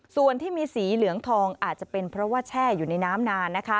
ส่วนที่มีสีเหลืองทองอาจจะเป็นเพราะว่าแช่อยู่ในน้ำนานนะคะ